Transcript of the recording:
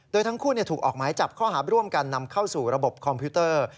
โดยทั้งคู่ถูกออกหมายจับข้อหาร่วมกันนำเข้าสู่ระบบคอมพิวเตอร์